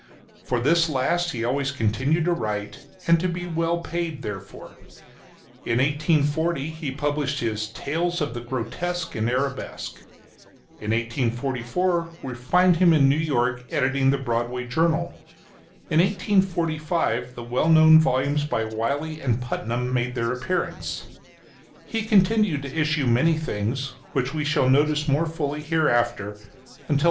For this last he always continued to write, and to be well paid therefor. In 1840, he published his "Tales of the Grotesque and Arabesque." In 1844, we find him in New York editing the "Broadway Journal." In 1845, the well known volumes by Wiley and Putnam made their appearance. He continued to issue many things — which we shall notice more fully hereafter, until 1847.